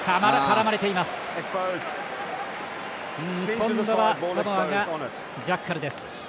今度はサモアがジャッカルです。